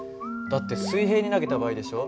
だって水平に投げた場合でしょ？